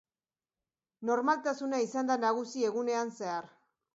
Normaltasuna izan da nagusi egunean zehar.